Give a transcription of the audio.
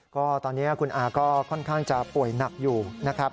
ก็ตอนนี้คุณอาก็ค่อนข้างจะป่วยหนักอยู่นะครับ